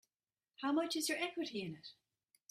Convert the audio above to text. How much is your equity in it?